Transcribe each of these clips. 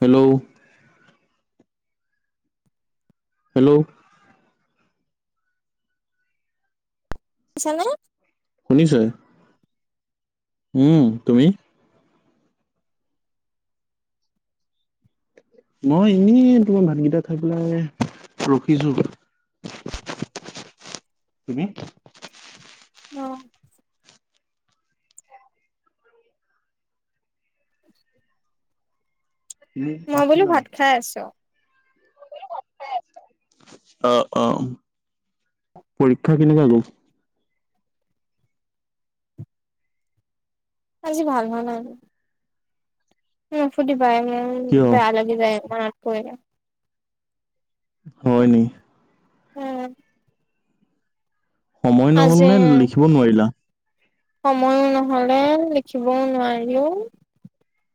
Hello, hello, চানে, শুনিছো। উম তুমি, মই এনেই তোমাৰ ভাতকেইটা খাই পেলাই ৰখিছো। তুমি, অ [inaudible] তুমি মই বোলো খালা ভাত খাই আছোঁ অহ অহ পৰীক্ষা কেনেকা গ'ল আজি ভাল হোৱা নাই উম ফুৰ্তি পায় মোৰ কিয় বেয়া লাগি যায় এইখন মনত পৰিলে হয় নি উম সময় নহ'ল আজি নে লিখিব নোৱাৰিলা সময়ো নহ'লে লিখিবও নোৱাৰিলোঁ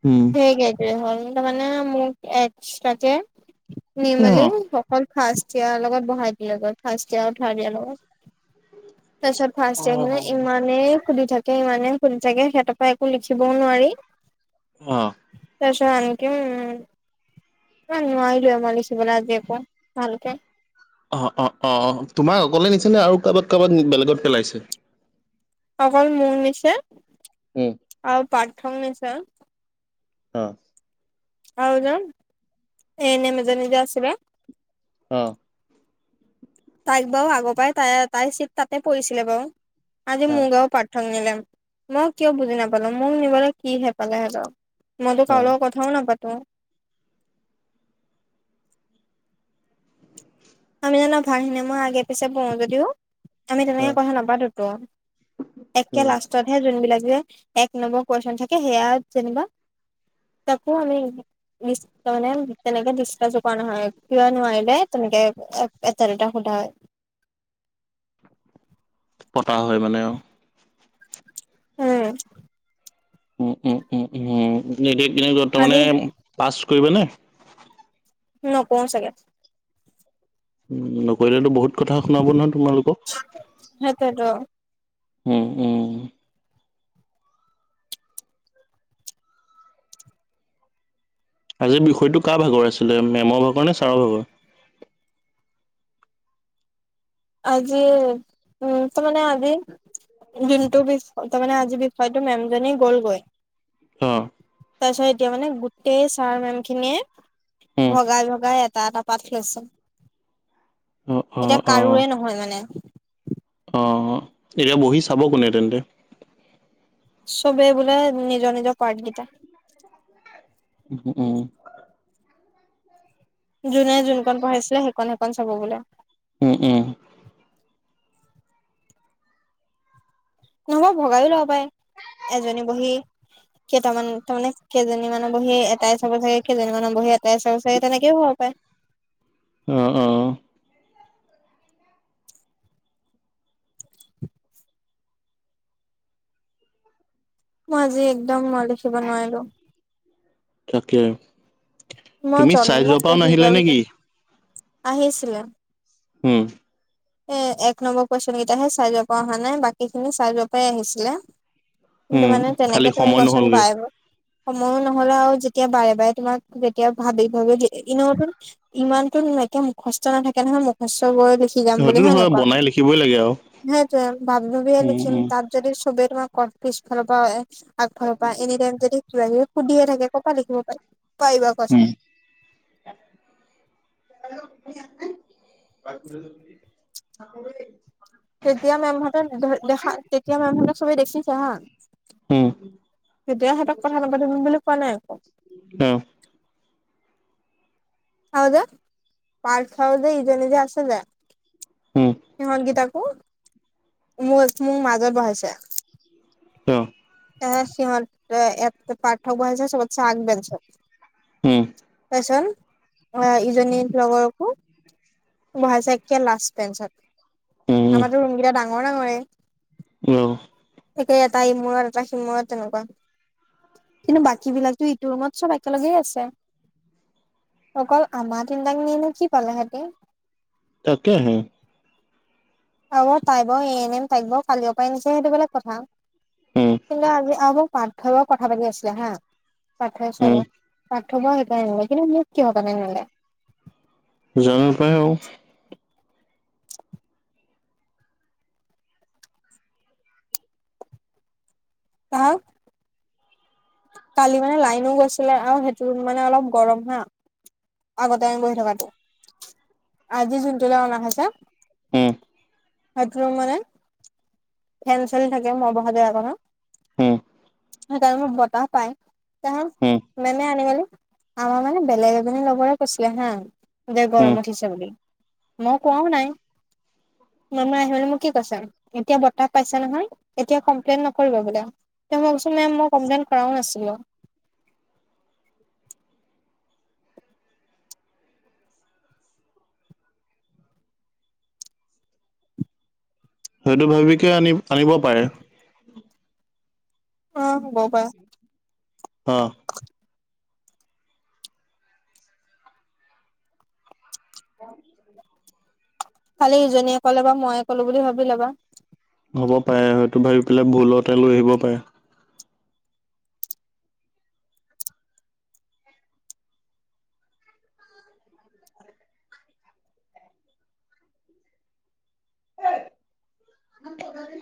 উম একে একে হল তাৰমানে মোক এক্সট্ৰাকে নি অ মেলি হল ফাৰ্ষ্ট টিয়াৰ লগত বহাই দিলে গৈ ফাৰ্ষ্ট টিয়াৰ থাৰ্ড টিয়াৰ লগত তাৰপিছত অ ফাৰ্ষ্ট টিয়েৰ ইমানে সুধি থাকে ইমানেই সুধি থাকে সিহঁতৰ পৰা একো লিখিবও নোৱাৰি অহ তাপিছত এনেকে মই নোৱাৰিৱে মই লিখিবলে আজি একো ভালকে অহ অহ অহ অহ তোমাক অকলে দিছে নে আৰু কাবাক কাবাক নি বেলেগত পেলাইছে অকল মোক নিছে উম আৰু পাৰ্থক নিছে অহ আৰু এজন এনেম এজনী যে আছিলে অহ তাইক বাও আগৰ পৰাই তাই তাইৰ চিট তাতে পৰিছিলে বাও আজি অ মোক আৰু পাৰ্থ পাৰ্থক নিলে মই কিয় বুজি নাপালো মোক নিবলৈ কি হেঁ পালে হেতক মই তোৰ অ কাৰো লগত কথা কথাও নাপাতোঁ আমি জানা ভালখিনি মই আগে পিছে বহু যদিও আমি অ তেনেকৈ কথা নাপাতোঁ তো একে উম লাষ্টতহে যোনবিলাক যে এক নম্বৰ কুৱেশ্যন থাকে সেয়া যেনেবা তাকো আমি ডিচ ত মানে তেনেকে ডিক্যশ কৰা নহয় কিয় নোৱাৰিলে তেনেকে এট এটা দুটা সোধা হয় পতা হয় মানে অহ উম উম উম উম উম নিদিত আজি বৰ্তমানে পাছ কৰিবা নে নকওঁ চাগে উম নকৰিলেও তো বহুত কথা শুনাব নহয় তোমালোকক। হয় সেইটোৱেতো উম, উম। আজি বিষয়টো কাৰ ভাগৰ আছিলে মেমৰ ভাগৰ নে ছাৰৰ ভাগৰ? আজি উম তো মানে আজি যোনটো বিষয় তাৰমানে আজিৰ বিষয়টোত মেমজনী গ'লগৈ। অহ তাৰ পিছত এতিয়া মানে গোটেই ছাৰ, মেম খিনিয়ে উম, ভগাই ভগাই এটা এটা পাঠ লৈছে। অ', এতিয়া অ', কাৰোৰে নহয় মানে। অহ এতিয়া বহি চাব কোনে তেন্তে? চবেই বোলে নিজৰ নিজৰ পাৰ্ট কেইটা উহ উম উম। যোনে যোন কণ পঢ়াইছিলে সেইকণ- সেইকণ চাব বোলে। উম, উম। নহয় ভগাইয়ো ল'ব পায় এজনী বহি। কেইটামান তাৰমানে, কেইজনীমানৰ বহি এটাই চাব চাগে, কেইজনীমানৰ বহি এটাই চাব চাগে তেনেকেও হ'ব পায়। অ, অ। মই আজি একদম মই লিখিব নোৱাৰিলোঁ। তাকে মই তুমি চাই জন্ম যোৱা পৰাও পঢ়ি নাহিলে যোৱাৰ ভিতৰত নেকি? আহিছিলে। উম এ এক নম্বৰ কুৱেশ্বন কেইটাহে চাই যাব পৰা অহা নাই, বাকী খিনি চাই যোৱা পৰাই আহিছিলে। কিন্তু উম, মানে তেনেকে খালি তুমি সময় কুৱেশ্বন নহ'লগে। পাই ব সময়ো নহ'লে আৰু যেতিয়া বাৰে - বাৰে তোমাক সুধে তেও ভাবি ভাবি ই-ইনেওতো ইমানতু এতিয়া মুখস্থ নাথাকে নহয়, মুখস্থ কৰি লৈছো। সি যাম বুলি সেইটোতো হয় নে নাই কোৱা। বনাই লিখিবই লাগে আৰু। সেইটোৱে ভাবি ভাবিহে উম, লিখিম উম, তাত যদি চবে তোমাক কোৱা পিছফালৰ পৰা এ আগফালৰ পা এনিটাইম যদি কিবা কিবি সুধিয়ে থাকে ক'ৰ পৰা লিখিব পাৰি, পাৰিবা কোৱাচোন? উম, [unintelligible] তেতিয়া মেম হঁতে নেদেহে দেখা- তেতিয়া মেম হঁতে সবে দেখিছো হা! উম, তেতিয়া সিহঁতক কথা নাপাতিবি বুলি কোৱা নাই আকৌ উম। হয় যে পাৰ্থ যে এইজনী যে আছে যে উম, সিহঁত কেইটাকো মোৰে মোৰ মাজত বহাইছে। কিয়? এ সিহঁত তে এতে পাৰ্থক বহাইছে চবতছে আগ বেঞ্চত। উম তাৰপিছত আ ইজনীৰ লগৰকো বহাইছে একে লাষ্ট উম, বেঞ্চত। আমাৰতো ৰুম কেইটা ডাঙৰ ডাঙৰে। কিয়? একে এটা ইমূৰৰ এটা সিমূৰত তেনেকুৱা। কিন্তু বাকী বিলাকতো ইটো ৰুমত চব একেলগেই আছে। অকল আমাৰ তিনিটাক নি নো কি পালে সিহঁতি? তাকে হে। লগৰ তাই বাৰু এ এনে এম তাইক বাৰু কালিৰ পৰাই নিছে সেইটো বেলেগ কথা। উম কিন্তু আজি আ মোক পাৰ্থবক কথা পাতি আছিলে হা পাৰ্থয়ে চবে উম, পাৰ্থবক সেইকাৰণে নিলে, কিন্তু মোক কিহৰ কাৰণে নিলে? জানা পাই অ তাৰ। কালি মানে লাইনো গৈছিলে! আৰু হেইটো ৰুম মানে অলপ গৰম হা আগতে আমি বহি থকাটো আজি যোনটোলৈ অনা হৈছে! উম, [unintelligible] মানে ফেন চেলি থাকে! মই বহা জেগাকনত উম। সেইকাৰণে [unintelligible] বতাহ পাই উম, [inaudible] মেলি আমাৰ মানে বেলেগ মানে লগৰে কৈছিলে হা দে উম, গৰম উঠিছে! বুলি মই কোৱাও নাই! মেমে আহি পেলে মোক কি কৈছে, এতিয়া বতাহ পাইছা নহয়! এতিয়া কমপ্লেইন নকৰিবা! বোলে তেতিয়া মই কৈছোঁ! মেম কমপ্লেইন কৰাও নাছিলোঁ! সেইটো ভাবিকে আনিম আনিব পাৰে। অ', শুব পাৰা। অ' [unintelligible] খালি ইজনীয়ে ক'লে! বা ময়ে ক'লোঁ বুলি ভাবি লবা। হ'ব পাৰে! হয়তো ভাবি পেলাই ভুলতে লৈ আহিব পাৰে! [inaudible]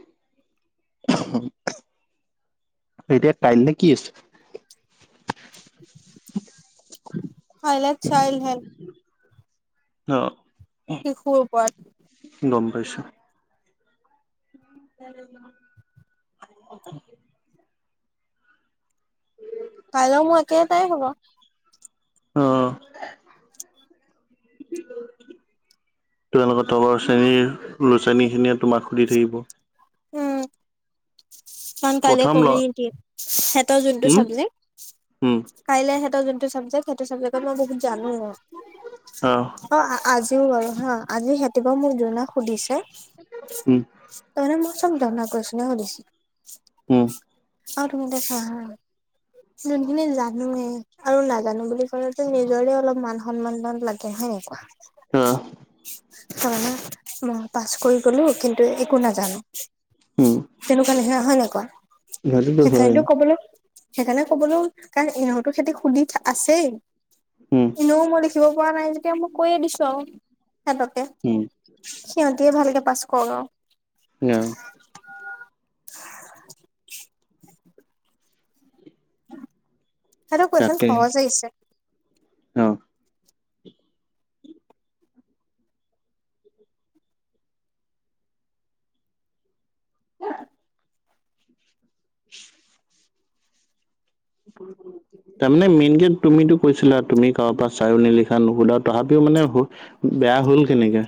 এতিয়া কাইলে কি আছে? কাইলে চাইল্ড হেল্থ অ' শিশুৰ ওপৰত। গম পাইছোঁ! [inaudible] কাইলৈ মোৰ একেটাই হ'ব! অ, তোমালোকৰ তলৰ শ্ৰেণীৰ লোচেনীখিনিয়ে তোমাক সুধি থাকিব! উম কাৰণ, কাইলৈ প্ৰথম ল কমিউনিটি সিহঁতৰ যোনটো উম, চাবজেক্ট উম, কাইলে হেতৰ যোনটো চাবজেক্ট সেইটো চাবজেক্টত মই বহুত জানো! আহ, অ', আ আজিও বাৰু হা আজি সিহঁতিবা মোক যোনা শুধিছে। উম, কাইলে মই চব জনা কুৱেশ্বনে সুধিছি! উম, আৰু, তুমি এতিয়া চোৱা! হা যোনখিনি জানোয়ে আৰু নাজানো বুলি হলেওঁটো নিজৰে অলপ মান সন্মানদাল লাগে! হয় নে কোৱা? আহ, [inaudible] মই পাছ কৰি গলোঁ! কিন্তু একো নাজানো! উম, তেনেকুৱা নেহে হয় নে কোৱা? সেইটোতো হয়। সেইকাৰণেটো কব [unintelligible] উম! এনেও মই লিখিব পৰা নাই যেতিয়া মই কৈয়ে দিছোঁ আৰু সিহঁতকে। উম! সিহঁতিয়ে ভালকে পাছ কৰক আৰু। ঞ! [inaudible] সিহঁতৰ কুৱেশ্বন তাকে সহজ আহিছে! অ! [unintelligible] [inaudible] [inaudible] [unintelligible] তাৰমানে মেইনকে তুমিতো কৈছিলা! তুমি কাৰো পৰা চাইয়ো নিলিখা নুশুধা তথাপিও মানে বেয়া হ'ল কেনেকে?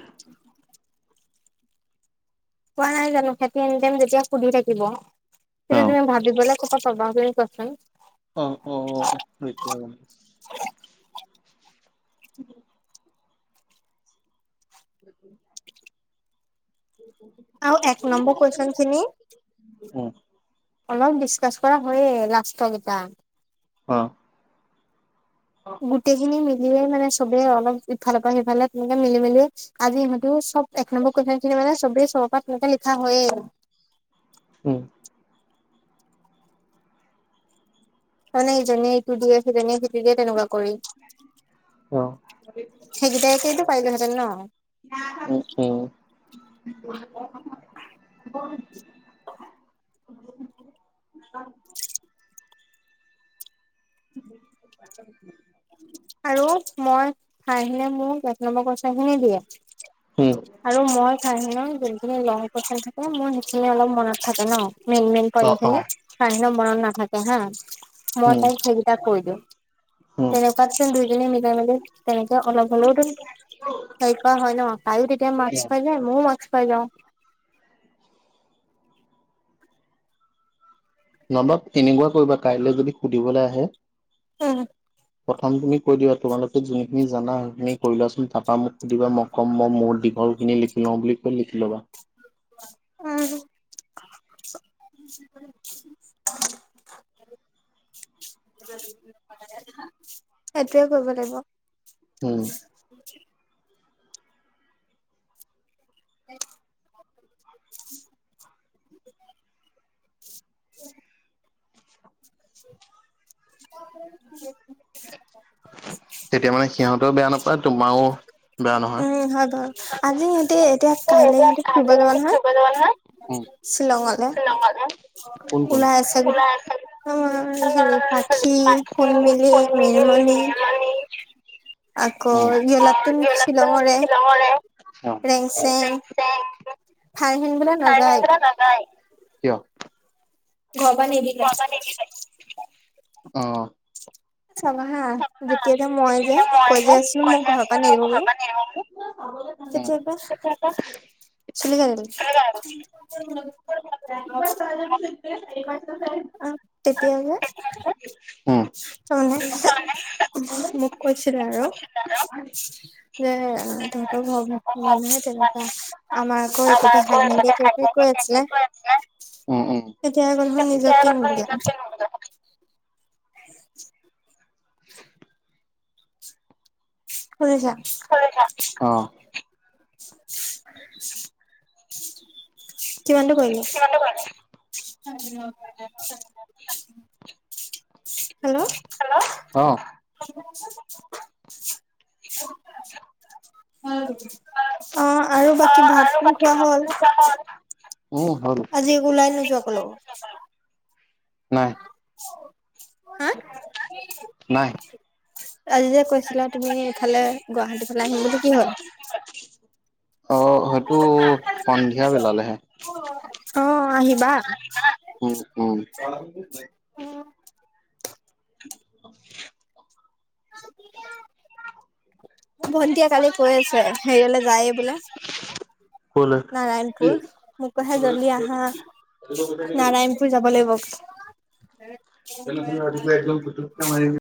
কোৱা নাই জানো সেতি এনিটাইম যেতিয়া সুধি থাকিব! অ, তেতিয়া তুমি ভাবিবলে কৰপা পাবা তুমি কোৱাচোন? অ অ অ হৈছে আৰু। উ [unintelligible] আৰু এক নম্বৰ কুৱেশ্চন খিনি। উম। অলপ ডিচকাচ কৰা হয়য়ে লাষ্টৰ কিটা। অ। গোটেই খিনি মিলিয়ে মানে চবে অলপ ইফালৰ পৰা সিফালে তেনেকে মিলি মেলি। আজি সিহঁতও চব এক নম্বৰ কুৱেশন খিনি মানে চবেই চব পৰা তেনেকা লিখা হয়য়ে। উম। তামানে ইজনীয়ে ইটো দিয়ে সিজনীয়ে সিটো দিয়ে তেনেকুৱা কৰি। অ সেইকিটাকেইটো পাৰিলেহেঁতেন ন। উম উম। [unintelligible] [unintelligible] [unintelligible] আৰু মই তইমানে মোক এক নম্বৰ কুৱেশ্যন খিনি দিয়ে। হোম। আৰু মই চাইহেলও যোনখিনি লং কুৱেশ্যন থাকে মোৰ সেইখিনি অলপ মনত থাকে ন। মেইন মেইন অ পইন্ট অ খিনি তাইৰ হেনু মনত নাথাকে হা মই তাইক সেইকেইটা কৈ দিও। হোম। পাতচোন দুইজনীয়ে মিলাই মেলি। তেনেকে অলপ হ'লেওতো হেৰি কৰা হয় ন তাইও তেতিয়া মাৰ্কচ পাই গল। মইও মাৰ্কচ পাই যাওঁ। নবাব এনেকুৱা কৰিবা কাইলৈ যদি সুধিবলৈ আহে। [unintelligible] প্ৰথম তুমি কৈ দিবা তোমালোকে যোনখিনি জানা সেইখিনি কৰি লোৱাচোন তাপা মোক সুধিবা মই কম ম মোৰ দীঘল খিনি লিখি লওঁ বুলি কৈ লিখি ল'বা। উম। [unintelligible] সেইটোৱে কৰিব লাগিব। উম। [unintelligible] [unintelligible] [unintelligible] তেতিয়া মানে সিহঁতেও বেয়া নাপায় তোমাৰও উম হয় বাৰু আজি ইহঁতে এতিয়া কাইলে ইহঁতে ফুৰিব যাব নহয়। উম শ্বিলংলে কোন কোন ওলাই আছে। অ কেজনি পাখি, সোনমিলি, নিৰ্মালি। অ আকৌ জলাতোন যে ওলাইছে শ্বিলঙৰে শ্বিলঙলে, হোম। ৰেংচেং ফাৰহিন বোলে তাই হেনু নাযায়। বোলে নাযায়। কিয়? অঁ। চাবাহা যেতিয়া যে মই যে কৈ যে আছিলো মোক ঘৰৰ পৰা নিদিব বুলি। উম তেতিয়া পৰা তেতিয়াপা, চুলি কাটিবি? [unintelligible] অ, তেতিয়া যে উম চন মোক কৈছিলে আৰু যে তহতৰ ঘৰৰ মানুহে তেনেকুৱা আমাৰ আকৌ একোটে হাক নিদিয়ে। কৈ আছিলে উম উম এতিয়া দেখোন নিজকে নিদিলা হ [unintelligible] [unintelligible] শুনিছা, অ', [unintelligible] কিমানটো কৰিলি? [unintelligible] হেল্ল', অ অ, আৰু বাকী ভাতটো খোৱা হ'ল। উম, হল। আজি ওলাই নোযোৱা কলৈ? নাই [unintelligible] নাই, আজি যে কৈছিলা তুমি ইফালে গুৱাহাটী ফালে আহিম বুলি কি হ'ল। অ, হয়টো সন্ধিয়া বিলালেহে। অ, আহিবা। কাল [unintelligible] অ', ভণ্টিয়ে কালি কৈ আছে হেৰিয়লে যায়ে বোলে। ক'লে নাৰায়ণপুৰ মোক কলে জলদি আহা নাৰায়ণপুৰ। যাব লাগিব। এ [unintelligible]